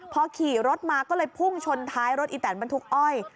พอขี่รถมาก็เลยพุ่งชนท้ายรถอีแตนบรรทุกอ้อย